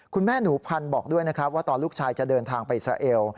คุณแม่หนูพันธ์บอกด้วยนะครับว่าตอนลูกชายจะเดินทางไปอิสราเอล